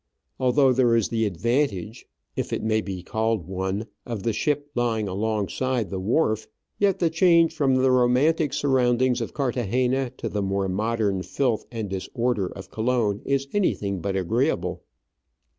Although there is the advantage, if it STREET IN COLON BEFORE THE FIRE. may be called one, of the ship lying alongside the wharf, yet the change from the romantic surroundings of Carthagena to the more modern filth and disorder of Colon is anything but agreeable.